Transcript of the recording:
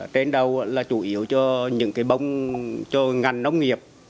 trên đầu là chủ yếu cho những cái bông cho ngành nông nghiệp